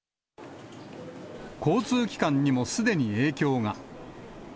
交通機関にもすでに影響が。